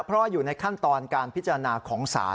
เพราะว่าอยู่ในขั้นตอนการพิจารณาของศาล